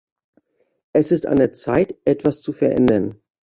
Es ist an der Zeit, etwas zu verändern.